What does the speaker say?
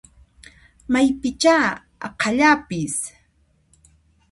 Maypichá aqhallapis!